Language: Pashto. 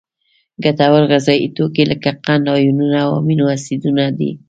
ګټور غذایي توکي لکه قند، آیونونه او امینو اسیدونه دي.